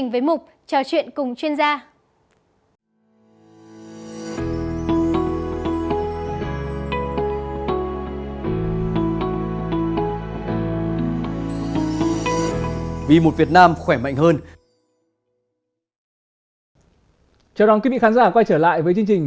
vì một việt nam khỏe mạnh hơn